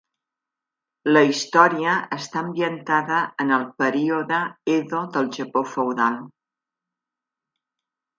La història està ambientada en el període Edo del Japó feudal.